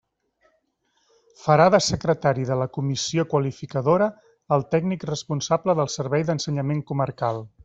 Farà de secretari de la Comissió Qualificadora el tècnic responsable del servei d'ensenyament comarcal.